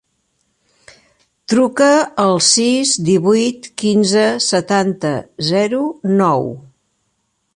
Truca al sis, divuit, quinze, setanta, zero, nou.